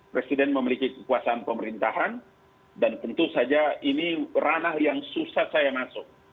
presiden memiliki kekuasaan pemerintahan dan tentu saja ini ranah yang susah saya masuk